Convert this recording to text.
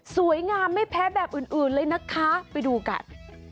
สวยงามไม่แพ้แบบอื่นเลยนะคะไปดูกัน